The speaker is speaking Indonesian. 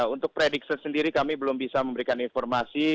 untuk prediksi sendiri kami belum bisa memberikan informasi